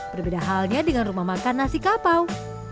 berbeda halnya dengan rumah makan nasi kapau